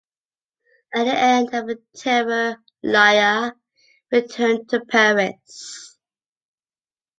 At the end of the Terror Laya returned to Paris.